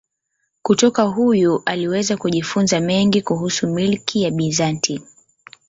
Kutoka huyu aliweza kujifunza mengi kuhusu milki ya Bizanti.